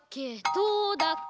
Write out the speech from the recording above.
どうだっけ？